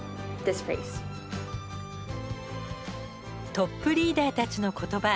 トップリーダーたちの言葉。